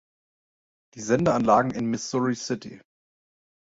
Die Sendeanlagen in Missouri City.